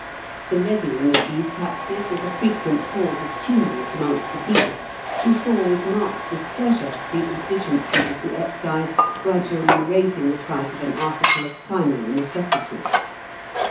The levying of these taxes was a frequent cause of tumult amongst the people, who saw with marked displeasure the exigencies of the excise gradually raising the price of an article of primary necessity.